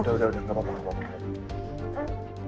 ya udah udah gak apa apa gak apa apa